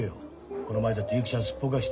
この前だってゆきちゃんすっぽかして。